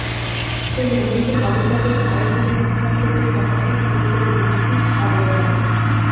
তবু মৃত নবজাতক মায়ের কোলে হস্তান্তরের সময় জোর করে বকশিশ আদায় করেন।